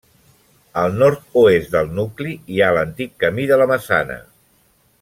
Al nord-oest del nucli hi ha l'antic camí de la Massana.